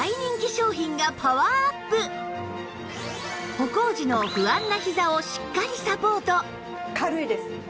歩行時の不安なひざをしっかりサポート